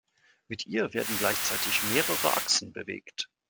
Mit ihr werden gleichzeitig mehrere Achsen bewegt.